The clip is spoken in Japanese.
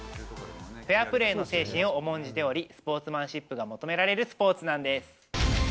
フェアプレーの精神を重んじており、スポーツマンシップが求められるスポーツなんです。